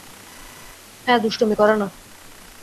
হ্যাঁ, দুষ্টুমি করে না।